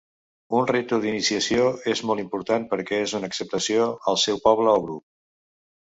Un ritu d'iniciació és molt important perquè és una acceptació al seu poble o grup.